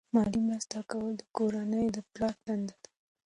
مالی مرسته کول د کورنۍ د پلار دنده ده.